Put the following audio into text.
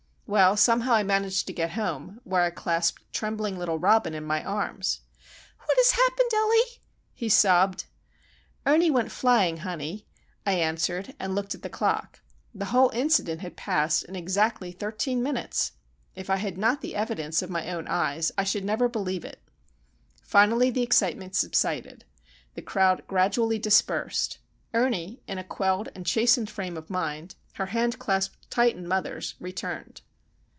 Well, somehow I managed to get home, where I clasped trembling little Robin in my arms. "What has happened, Ellie?" he sobbed. "Ernie went flying, honey," I answered, and looked at the clock. The whole incident had passed in exactly thirteen minutes! If I had not the evidence of my own eyes I should never believe it. Finally the excitement subsided. The crowd gradually dispersed. Ernie, in a quelled and chastened frame of mind, her hand clasped tight in mother's, returned.